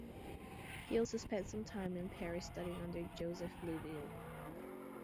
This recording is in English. He also spent some time in Paris studying under Joseph Liouville.